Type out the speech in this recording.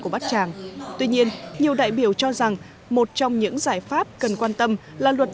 của bát tràng tuy nhiên nhiều đại biểu cho rằng một trong những giải pháp cần quan tâm là luật